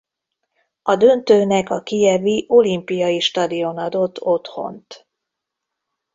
A döntőnek a kijevi Olimpiai Stadion adott otthont.